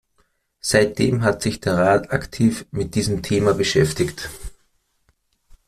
Seitdem hat sich der Rat aktiv mit diesem Thema beschäftigt.